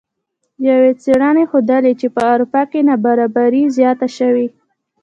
یوې څیړنې ښودلې چې په اروپا کې نابرابري زیاته شوې